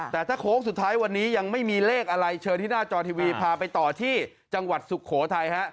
แต่ถ้าโค้งสุดท้ายวันนี้ยังไม่มีเลขอะไรเชิญที่หน้าจอทีวีพาไปต่อที่จังหวัดสุโขทัยฮะ